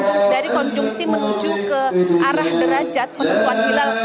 sehingga dari konjungsi menuju ke arah derajat pembentuan hilal